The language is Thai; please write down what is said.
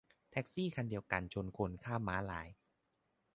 แท็กซี่คันเดียวกันชนคนข้ามม้าลาย